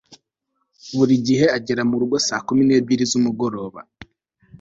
Buri gihe agera murugo saa kumi nebyiri zumugoroba